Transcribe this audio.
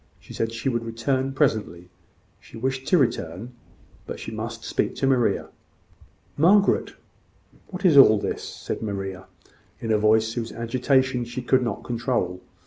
She said she would return presently: she wished to return: but she must speak to Maria. "Margaret, what is all this?" said Maria, in a voice whose agitation she could not control.